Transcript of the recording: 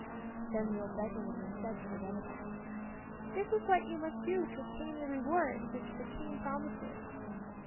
Then the old beggar woman said to her benefactor: "This is what you must do to obtain the reward which the King promises.